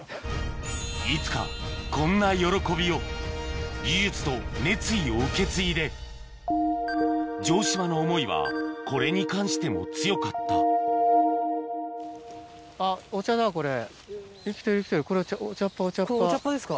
いつかこんな喜びを技術と熱意を受け継いで城島の思いはこれに関しても強かったお茶っぱですか？